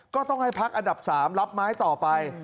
ก็ต้องให้พักอันดับ๓รับไม้ต่อไป